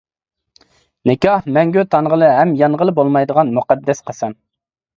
نىكاھ مەڭگۈ تانغىلى ھەم يانغىلى بولمايدىغان مۇقەددەس قەسەم.